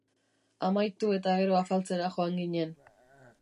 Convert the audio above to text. Amaitu eta gero afaltzera joan ginen.